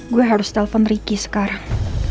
gue harus telpon ricky sekarang